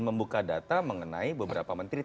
membuka data mengenai beberapa menteri